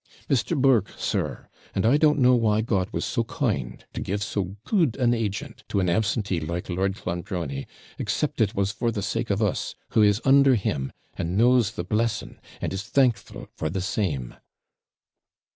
'Mr. Burke, sir. And I don't know why God was so kind to give so good an agent to an absentee like Lord Clonbrony, except it was for the sake of us, who is under him, and knows the blessing, and is thankful for the same.'